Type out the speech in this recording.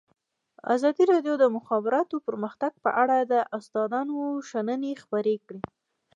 ازادي راډیو د د مخابراتو پرمختګ په اړه د استادانو شننې خپرې کړي.